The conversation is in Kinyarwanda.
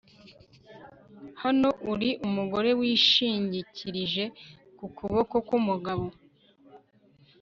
Hano uri mugore Wishingikirije ku kuboko kumugabo